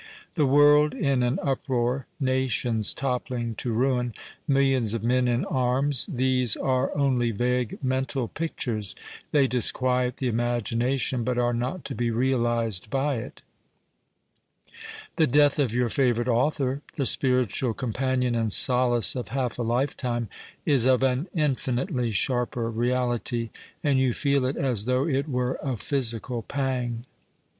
The world in an uproar, nations toppling to ruin, millions of men in arms — these are only vague mental pictures. They disquiet the imagination, but are not to be realized by it. The death of your favourite author, the spiritual companion and solace of half a lifetime, is of an infmitcly sharper reality, and you feel it as though it were a physical pang.